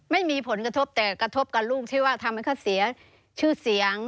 ไม่มีผลกระทบแต่กระทบกับลูกที่ว่าทำให้เขาเสียชื่อเสียง